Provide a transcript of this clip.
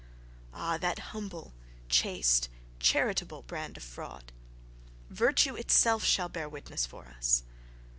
Ah, that humble, chaste, charitable brand of fraud! "Virtue itself shall bear witness for us."...